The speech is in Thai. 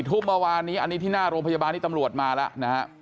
ทุ่มเมื่อวานนี้อันนี้ที่หน้าโรงพยาบาลที่ตำรวจมาแล้วนะฮะ